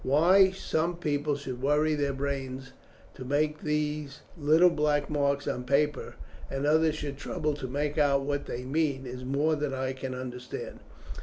Why some people should worry their brains to make those little black marks on paper, and others should trouble to make out what they mean, is more than I can understand.